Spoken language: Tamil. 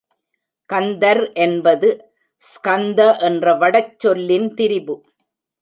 கந்தர் என்பது ஸ்கந்த என்ற வடச் சொல்லின் திரிபு.